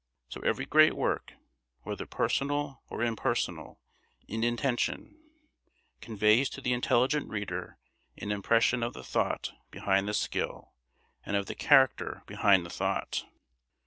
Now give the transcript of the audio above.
So every great work, whether personal or impersonal in intention, conveys to the intelligent reader an impression of the thought behind the skill, and of the character behind the thought.